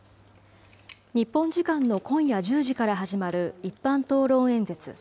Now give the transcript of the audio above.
日本時間の今夜１０時から始まる一般討論演説。